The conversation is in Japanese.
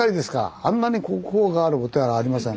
あんなに国宝があるお寺ありません。